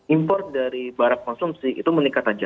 import dari barang konsumsi itu meningkat saja